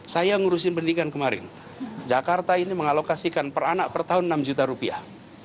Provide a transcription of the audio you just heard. saya ngurusin pendidikan kemarin jakarta ini mengalokasikan per anak per tahun enam juta rupiah